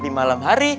di malam hari